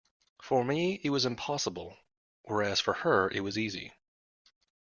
For me it was impossible, whereas for her it was easy.